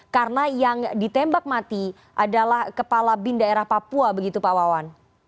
karena yang ditembak mati adalah kepala bin daerah papua begitu pak wawan